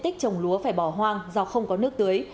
tích trồng lúa phải bỏ hoang do không có nước tưới